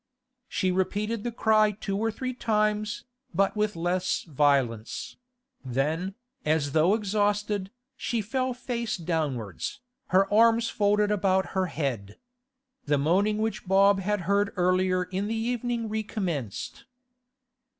She repeated the cry two or three times, but with less violence; then, as though exhausted, she fell face downwards, her arms folded about her head. The moaning which Bob had heard earlier in the evening recommenced.